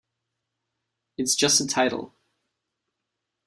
It's just a title.